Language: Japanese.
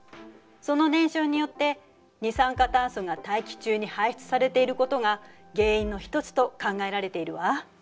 その燃焼によって二酸化炭素が大気中に排出されていることが原因の一つと考えられているわ。